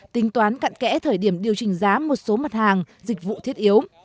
tính toán cạn kẽ thời điểm điều chỉnh giá một số mặt hàng dịch vụ thiết yếu